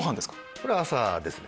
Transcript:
これは朝ですね。